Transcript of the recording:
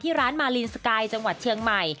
ที่ร้านมาลินสไกยจังหวัดเชื้องใหม่